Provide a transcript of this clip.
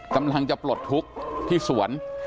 กำลังจะปลดทุกข์ที่สวน